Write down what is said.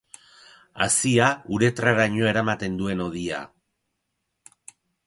Hazia uretraraino eramaten duen hodia.